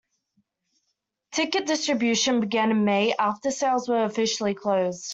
Ticket distribution began in May, after sales were officially closed.